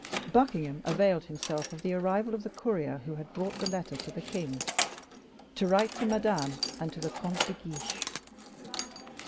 Buckingham availed himself of the arrival of the courier, who had brought the letter to the king, to write to Madame and to the Comte de Guiche.